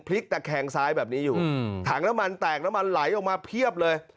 ตะแคงซ้ายแบบนี้อยู่ถังน้ำมันแตกน้ำมันไหลออกมาเพียบเลย